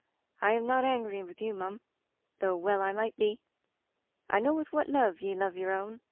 I am not angry with you, mum, though well I might be. I know with what love ye love yer own.